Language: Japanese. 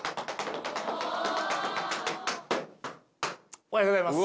おはようございます。